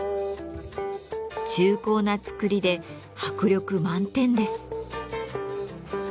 重厚な造りで迫力満点です。